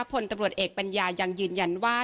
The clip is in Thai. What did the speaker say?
พลตำรวจเอกปัญญายังยืนยันว่า